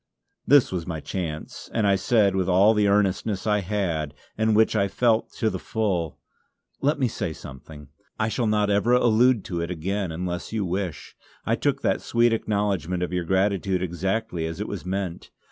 This was my chance and I said with all the earnestness I had, and which I felt to the full: "Let me say something. I shall not ever allude to it again unless you wish. I took that sweet acknowledgment of your gratitude exactly as it was meant.